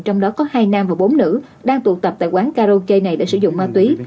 trong đó có hai nam và bốn nữ đang tụ tập tại quán karaoke này đã sử dụng ma túy